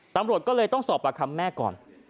ตำรวจก็เลยต้องสอบปากคำแม่ก่อน